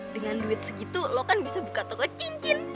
dengan duit segitu lo kan bisa buka toko cincin